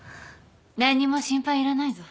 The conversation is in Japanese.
何にも心配いらないぞ